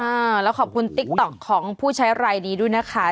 อ่าแล้วขอบคุณติ๊กต๊อกของผู้ใช้รายนี้ด้วยนะคะ